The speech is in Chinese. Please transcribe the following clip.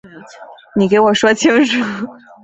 你给我说清楚